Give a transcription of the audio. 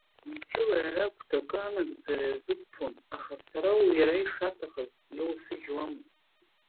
Мчыла иара агәҭакы анагӡара иазықәԥон, аха сара уи иара ишаҭахыз иоусыжьуамызт.